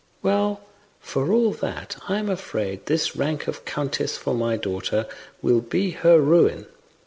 "Well, for all that, I am afraid this rank of countess for my daughter will be her ruin.